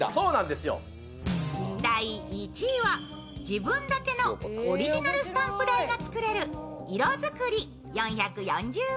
自分だけのオリジナルスタンプ台が作れる、いろづくり４４０円。